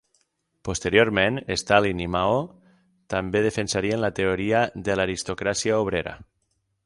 Posteriorment Stalin i Mao també defensarien la teoria de l'aristocràcia obrera.